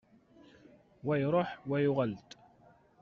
Wa iruḥ, wa yuɣal-d.